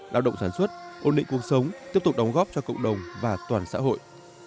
lao động sản xuất ổn định cuộc sống tiếp tục đóng góp cho cộng đồng và toàn xã hội